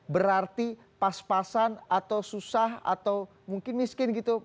berarti pas pasan atau susah atau mungkin miskin gitu